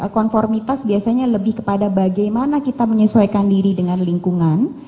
konformitas biasanya lebih kepada bagaimana kita menyesuaikan diri dengan lingkungan